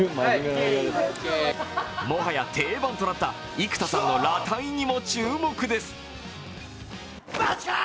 もはや定番となった生田さんの裸体にも注目です。